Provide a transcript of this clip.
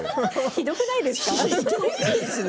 ひどくないですか？